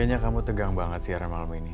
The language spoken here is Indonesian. kayaknya kamu tegang banget siaran malam ini